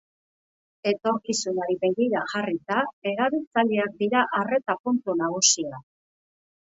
Etorkizunari begira jarrita, erabiltzaileak dira arreta puntu nagusia.